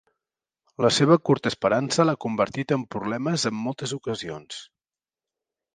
La seva curta esperança l'ha convertit en problemes en moltes ocasions.